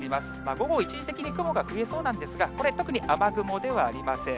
午後、一時的に雲が増えそうなんですが、これ、特に雨雲ではありません。